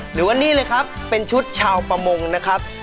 หรือว่านี่เลยครับเป็นชุดชาวประมงนะครับ